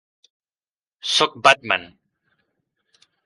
Sóc Batman!